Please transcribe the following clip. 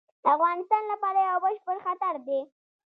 د افغانستان لپاره یو بشپړ خطر دی.